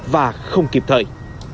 và không kịp thời